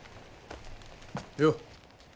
よっ。